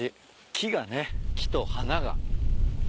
木がね木と花が。